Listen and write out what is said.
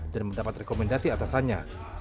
dan mendapat rekomendasi atasannya